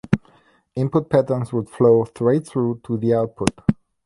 Input patterns would flow straight through to the output.